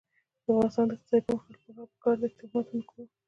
د افغانستان د اقتصادي پرمختګ لپاره پکار ده چې تهمت ونکړو.